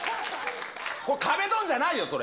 これ、壁ドンじゃないよ、それ。